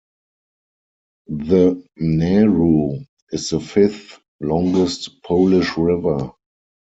The Narew is the fifth longest Polish river.